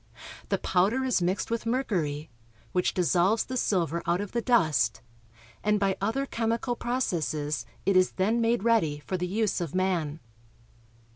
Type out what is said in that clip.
The powder is mixed with mercury, which dissolves the silver out of the dust, and by other chemical processes it is then made ready for the use of man.